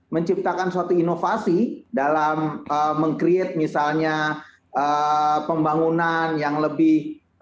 menciptakan suatu inovasi dalam meng create misalnya pembangunan yang lebih